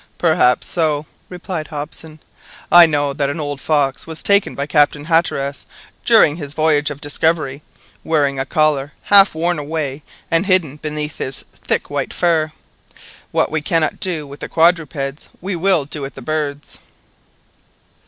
"Perhaps so," replied Hobson; "I know that an old fox was taken by Captain Hatteras during his voyage of discovery, wearing a collar half worn away and hidden beneath his thick white fur. What we cannot do with the quadrupeds, we will do with the birds."